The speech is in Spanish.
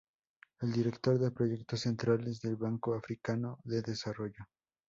Es Director de Proyectos Centrales del Banco Africano de Desarrollo.